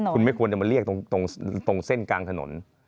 คุณไม่ควรจะมาเรียกตรงเส้นกลางถนน